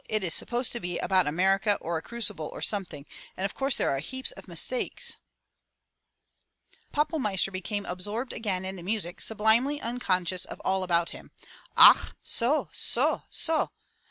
"It is supposed to be about America or a crucible or something. And of course there are heaps of mistakes." Pappelmeister became absorbed again in the music, sublimely unconscious of all about him. "Ach, so — so, — So!